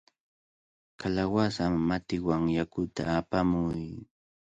¡Kalawasa matiwan yakuta apamuy!